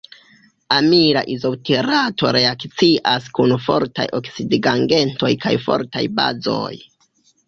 Amila izobutirato reakcias kun fortaj oksidigagentoj kaj fortaj bazoj.